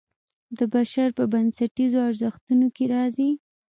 د بشر په بنسټیزو ارزښتونو کې راځي.